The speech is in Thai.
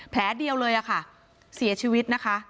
แผลเดียวเลยค่ะเสียชีวิตนะคะ